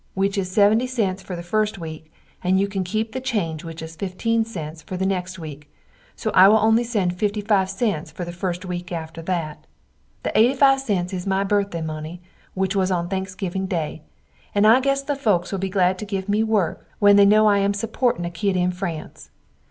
which is 70cts, fer the fust weak, and you can keep the change which is 15cts, fer the next weak, so I will only send 55cts, fer the fust weak after that. The 85cts. is my birthday money which was on thanksgiving day and I guess the folks will be glad to give me work when they no I am suporting a kid in france.